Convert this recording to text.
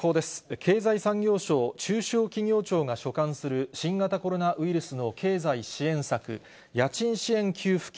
経済産業省中小企業庁が所管する新型コロナウイルスの経済支援策、家賃支援給付金